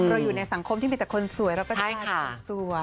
เราอยู่ในสังคมที่มีแต่คนสวยเราก็จะกลายเป็นคนสวย